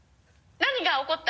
何が起こった？